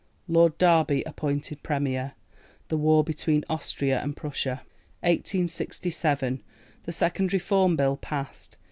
Lord Derby appointed Premier. The war between Austria and Prussia. 1867. THE SECOND REFORM BILL passed.